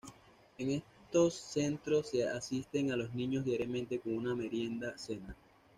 En estos Centros se asisten a los niños diariamente con una merienda-cena.